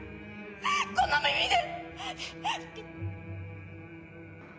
この耳で！